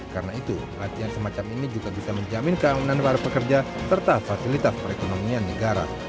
karena itu latihan semacam ini juga bisa menjamin keamanan para pekerja serta fasilitas perekonomian negara